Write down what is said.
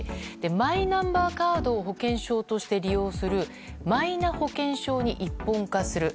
マイナンバーカードを保険証として利用するマイナ保険証に一本化する。